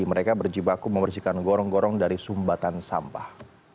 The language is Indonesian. mereka berjibaku membersihkan gorong gorong dari sumbatan sampah